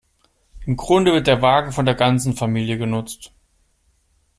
Im Grunde wird der Wagen von der ganzen Familie genutzt.